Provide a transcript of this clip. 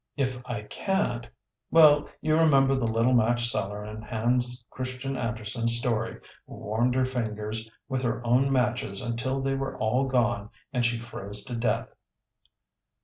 If I can't Well, you remember the little match seller in Hans Christian Andersen's story, who warmed her fingers with her own matches until they were all gone and she froze to death!"